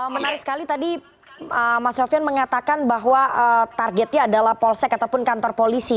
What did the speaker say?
menarik sekali tadi mas sofian mengatakan bahwa targetnya adalah polsek ataupun kantor polisi